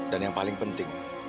dan yang paling penting